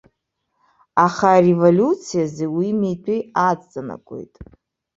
Аха ареволиуциазы уи митәы аҵанакуеит.